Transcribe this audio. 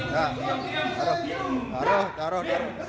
taruh taruh taruh